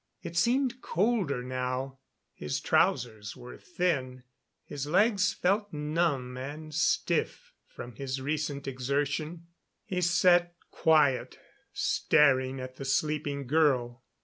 It seemed colder now. His trousers were thin, his legs felt numb and stiff from his recent exertion. He sat quiet, staring at the sleeping girl.